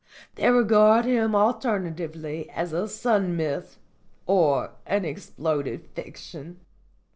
They regard him alternatively as a sun myth or an exploded fiction."